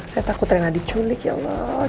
saya takut rena diculik ya allah